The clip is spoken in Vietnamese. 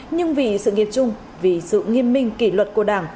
nhưng vì sự nghiêm trung vì sự nghiêm minh kỷ luật của đảng